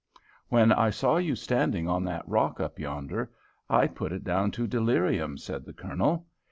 "When I saw you standing on that rock up yonder, I put it down to delirium," said the Colonel.